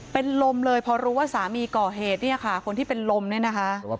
เป็นลมเลยเพราะรู้ว่าสามีก่อเหตุคนที่เป็นลมนี่นะคะ